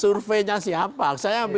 surveinya siapa saya ambil